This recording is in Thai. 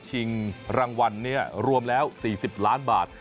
ชิงรางวัลนี้รวมแล้ว๔๐ล้านบาท